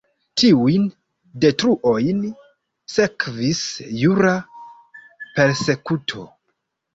Tiujn detruojn sekvis jura persekuto.